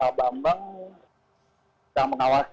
pak bambang sudah menawarkan